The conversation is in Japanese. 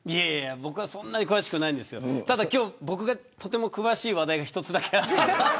そんなに詳しくないですけどただ、今日僕が詳しい話題が１つだけあって。